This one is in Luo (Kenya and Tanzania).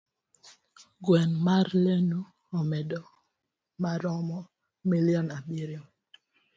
gweng' mar Lenu, omenda maromo milion abiriyo.